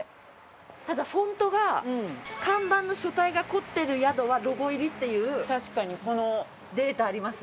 ただフォントが看板の書体が凝ってる宿はロゴ入りっていうデータあります。